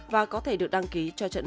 và có thể được đăng ký